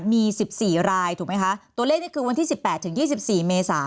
มีสิบสี่รายถูกไหมคะตัวเลขนี่คือวันที่สิบแปดถึงยี่สิบสี่เมษา